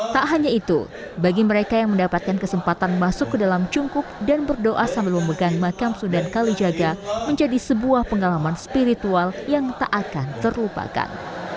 tak hanya itu bagi mereka yang mendapatkan kesempatan masuk ke dalam cungkup dan berdoa sambil memegang makam sudan kalijaga menjadi sebuah pengalaman spiritual yang tak akan terlupakan